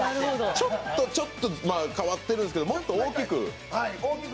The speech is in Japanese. ちょっと変わってるんですけどもっと大きく。